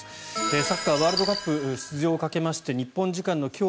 サッカーワールドカップ出場をかけまして日本時間の今日